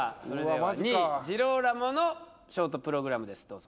それでは２位ジローラモのショートプログラムです